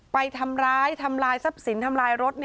ไปทำร้ายทำลายทรัพย์สินทำลายรถ